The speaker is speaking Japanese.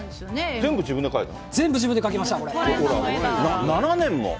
全部自分で描いたの？